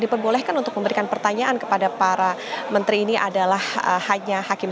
diperbolehkan untuk memberikan pertanyaan kepada para menteri ini adalah hanya hakim